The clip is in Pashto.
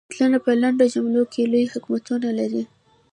متلونه په لنډو جملو کې لوی حکمتونه لري